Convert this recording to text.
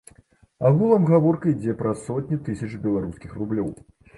Агулам гаворка ідзе пра сотні тысяч беларускіх рублёў.